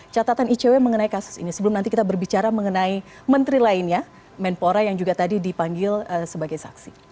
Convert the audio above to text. catatan icw mengenai kasus ini sebelum nanti kita berbicara mengenai menteri lainnya menpora yang juga tadi dipanggil sebagai saksi